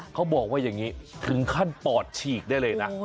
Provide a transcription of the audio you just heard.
เขาบอกว่าอย่างนี้ถึงขั้นปอดฉีกได้เลยนะ